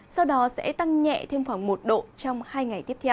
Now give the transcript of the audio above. sau đó sẽ tăng nhẹ thêm khoảng một độ trong hai ngày tiếp theo